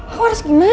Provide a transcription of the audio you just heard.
aku harus gimana